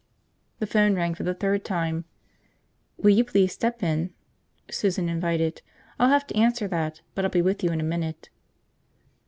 The phone rang for the third time. "Will you please step in?" Susan invited. "I'll have to answer that, but I'll be with you in a minute."